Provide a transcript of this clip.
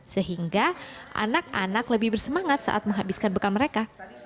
sehingga anak anak lebih bersemangat saat menghabiskan bekal mereka